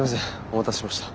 お待たせしました。